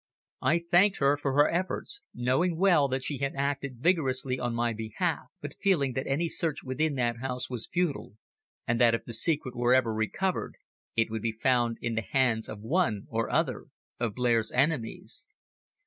I thanked her for her efforts, knowing well that she had acted vigorously on my behalf, but feeling that any search within that house was futile, and that if the secret were ever recovered it would be found in the hands of one or other of Blair s enemies.